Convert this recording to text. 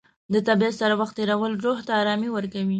د طبیعت سره وخت تېرول روح ته ارامي ورکوي.